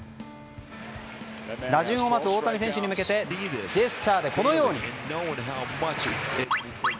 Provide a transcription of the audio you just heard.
打順を待つ大谷選手に向けてジェスチャーでこのように。